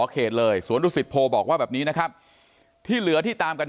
เขตเลยสวนดุสิตโพบอกว่าแบบนี้นะครับที่เหลือที่ตามกัน